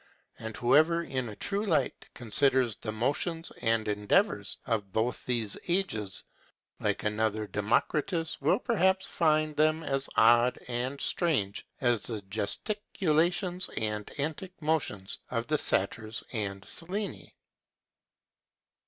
And whoever, in a true light, considers the motions and endeavors of both these ages, like another Democritus, will perhaps find them as odd and strange as the gesticulations and antic motions of the Satyrs and Sileni.